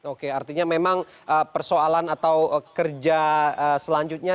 oke artinya memang persoalan atau kerja selanjutnya